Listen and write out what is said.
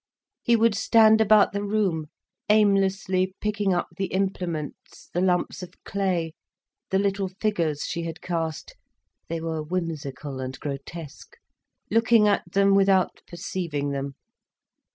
He would stand about the room, aimlessly picking up the implements, the lumps of clay, the little figures she had cast—they were whimsical and grotesque—looking at them without perceiving them.